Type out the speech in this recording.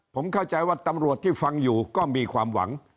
ผมเข้าใจว่าตำรวจที่ฟังอยู่ก็มีความหวัง